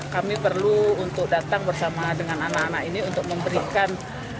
kami perlu untuk datang bersama dengan anak anak ini untuk memberikan